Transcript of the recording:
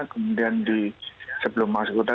kemudian di sebelum masuk kota